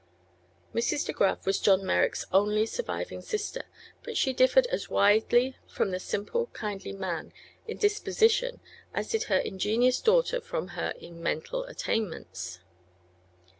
Mrs. De Graf was John Merrick's only surviving sister, but she differed as widely from the simple, kindly man in disposition as did her ingenious daughter from her in mental attainments.